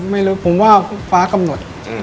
ไม่รู้ผมว่าฟ้ากำหนด